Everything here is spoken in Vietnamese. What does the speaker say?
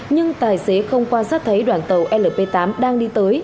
nhưng tài xế không quan sát thấy đoàn tàu lp tám đang đi tới